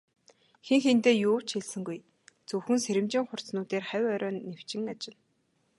Хэн хэндээ юу ч хэлсэнгүй, зөвхөн сэрэмжийн хурц нүдээр хавь ойроо нэвчин ажна.